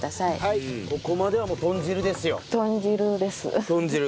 ここまではもう豚汁ですよ。